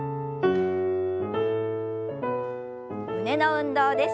胸の運動です。